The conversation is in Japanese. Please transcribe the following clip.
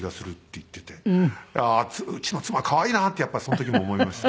ああーうちの妻可愛いなってやっぱりその時も思いましたね。